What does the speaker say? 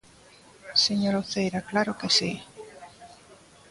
Señora Uceira, ¡claro que si!